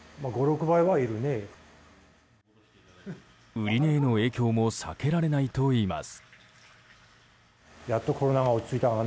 売り値への影響も避けられないといいます。